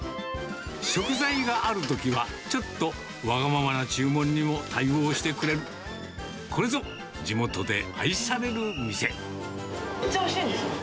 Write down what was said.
食材があるときは、ちょっとわがままな注文にも対応してくれる、これぞ、めっちゃおいしいです。